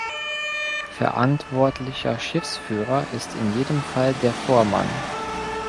Verantwortlicher Schiffsführer ist in jedem Fall der Vormann.